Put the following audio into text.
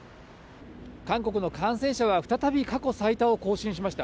韓国の感染者は再び過去最多を更新しました。